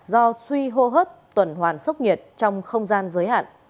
do suy hô hấp tuần hoàn sốc nhiệt trong không gian giới hạn